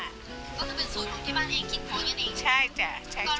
ก็จะเป็นสูตรที่บ้านเองคิดพออย่างนี้ใช่จ้ะใช่จ้ะ